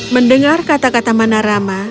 mendengar kata kata manarama